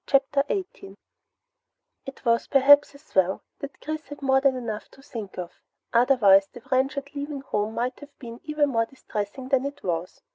CHAPTER 18 It was perhaps as well that Chris had more than enough to think of. Otherwise the wrench at leaving home might have been even more distressing than it was.